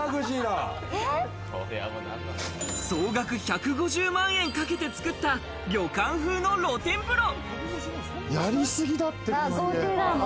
総額１５０万円かけてつくった、旅館風の露天風呂。